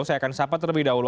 saya akan sapa terlebih dahulu